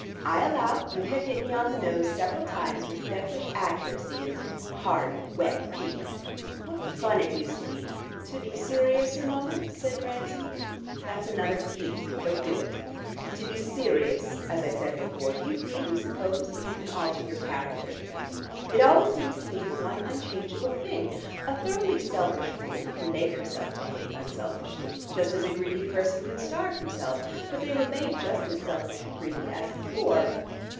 I allow you have hit me on the nose several times with devilish accuracy and hard, wet peas. What fun it used to be " "To be serious a moment " said Grantie. "That's another pea; don't do it. To be serious, as I said before, do you really suppose that you can alter your character? It always seems to me the one unchangeable thing. A thoroughly selfish woman can make herself behave unselfishly, just as a greedy person can starve himself, but they remain just as selfish and greedy as before.